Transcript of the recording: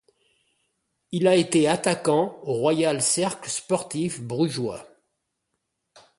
Il a été attaquant au Royal Cercle Sportif Brugeois.